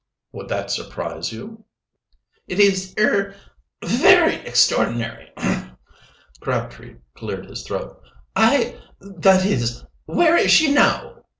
"Would that surprise you?" "It is er very extraordinary." Crabtree cleared his throat. "I that is where is she now?"